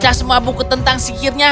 saya akan membaca semua buku tentang sihirnya